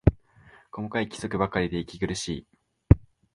細かい規則ばかりで息苦しい